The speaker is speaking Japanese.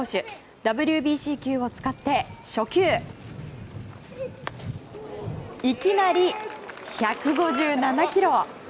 ＷＢＣ球を使って初球いきなり１５７キロ。